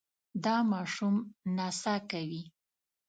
دا ماشوم نڅا کوي.